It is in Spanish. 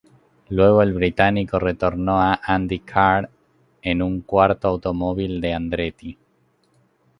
Luego el británico retornó a IndyCar en un cuarto automóvil de Andretti.